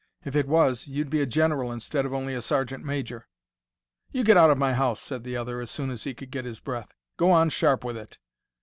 If it was, you'd be a general instead of only a sergeant major." "You get out of my house," said the other, as soon as he could get his breath. "Go on Sharp with it."